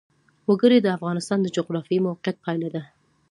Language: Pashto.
وګړي د افغانستان د جغرافیایي موقیعت پایله ده.